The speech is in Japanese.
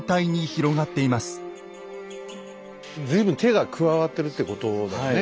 随分手が加わってるってことだよね。